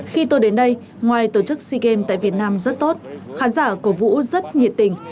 khi tôi đến đây ngoài tổ chức sea games tại việt nam rất tốt khán giả cổ vũ rất nhiệt tình